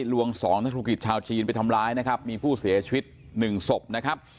ลวงสองนักธุรกิจชาวจีนไปทำร้ายนะครับมีผู้เสียชีวิตหนึ่งศพนะครับ